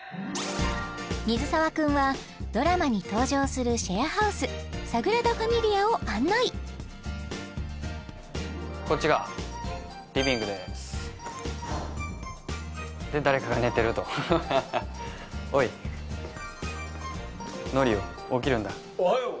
水沢君はドラマに登場するシェアハウスサグラダファミリ家を案内こっちがリビングですで誰かが寝てるとおいノリよ起きるんだおはよう！